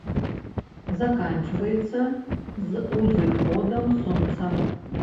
Заканчваецца з узыходам сонца